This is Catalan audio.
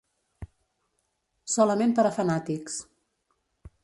Solament per a fanàtics.